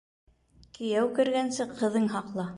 Кейәү кергәнсе ҡыҙың һаҡла